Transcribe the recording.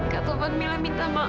kak tovan mila minta maaf kak